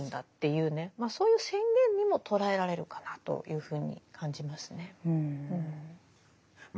そういう宣言にも捉えられるかなというふうに感じますね。